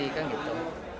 nanti kan gitu